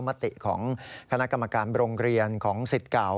มติของคณะกรรมการโรงเรียนของสิทธิ์เก่า